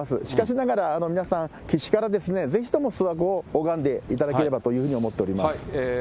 しかしながら、皆さん岸からぜひとも諏訪湖を拝んでいただければというふうに思っております。